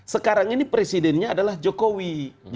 sekarang ini presidennya adalah jokowi